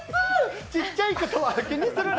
ちっちゃいことは気にするな。